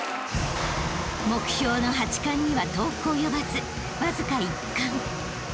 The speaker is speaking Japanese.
［目標の８冠には遠く及ばずわずか１冠］